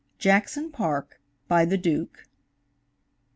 JACKSON PARK, BY THE DUKE.